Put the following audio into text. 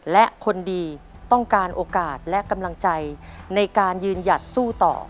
และคนดีต้องการโอกาสและกำลังใจในการยืนหยัดสู้ต่อ